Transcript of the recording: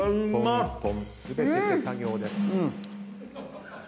一本一本全て手作業です。